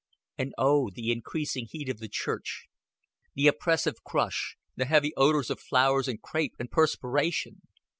And, oh, the increasing heat of the church, the oppressive crush, the heavy odors of flowers and crape and perspiration!